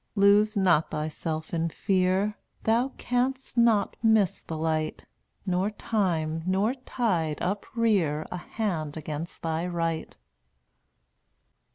Lose not thyself in fear; Thou canst not miss the light, Nor time, nor tide uprear A hand against thy right.